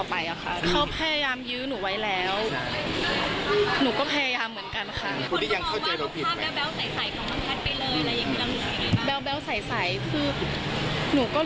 ผมก็พยายามเหมือนกันค่ะ